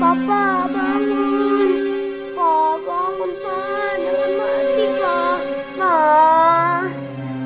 papa bangun pak